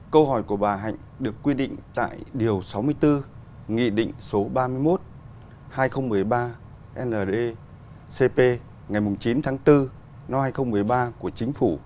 câu hỏi của bà hạnh được quy định tại điều sáu mươi bốn nghị định số ba mươi một hai nghìn một mươi ba ndcp ngày chín tháng bốn năm hai nghìn một mươi ba của chính phủ